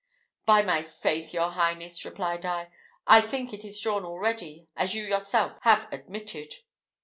"By my faith, your Highness," replied I, "I think it is drawn already, as you yourself have admitted."